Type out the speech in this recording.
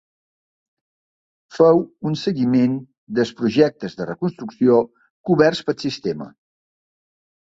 Feu un seguiment dels projectes de reconstrucció coberts pel sistema.